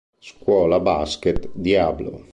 Scuola Basket Diablo.